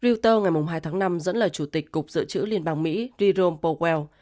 reuters ngày hai tháng năm dẫn lời chủ tịch cục dự trữ liên bang mỹ jerome powell